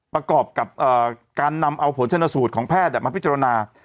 ประกอบกับการนำเอาผลชนสูตรของแพทย์มาพิจารณา